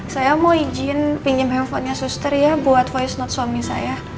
saya mau izin pinjam handphonenya suster ya buat voice note suami saya